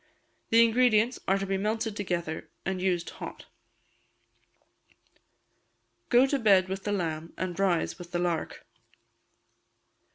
The ingredients are to be melted together, and used hot. [GO TO BED WITH THE LAMB AND RISE WITH THE LARK.